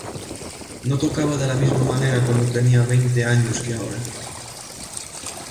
No tocaba de la misma manera cuando tenía veinte años que ahora.